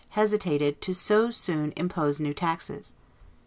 hesitated to so soon impose new taxes.